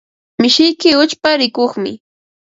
Mishiyki uchpa rikuqmi.